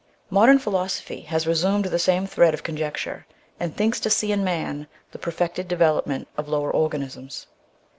Modern philosophy has resumed the same thread of conjecture, and thinks to see in man the perfected deve lopment of lower organisms.